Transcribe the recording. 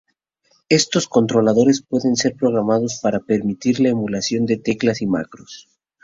Estos controladores pueden ser programados para permitir la emulación de teclas y macros.